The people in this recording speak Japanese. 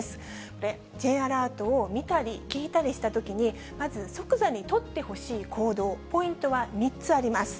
これ、Ｊアラートを見たり聞いたりしたときに、まず即座に取ってほしい行動、ポイントは３つあります。